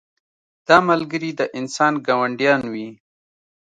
دا ملګري د انسان ګاونډیان وي.